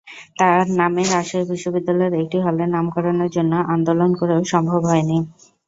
তাঁর নামে রাজশাহী বিশ্ববিদ্যালয়ের একটি হলের নামকরণের জন্য আন্দোলন করেও সম্ভব হয়নি।